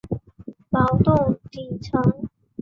劳动底层